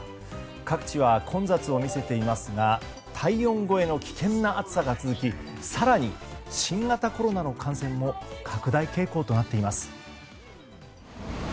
各地は混雑を見せていますが体温超えの危険な暑さが続き更に新型コロナの感染も拡大傾向となっています。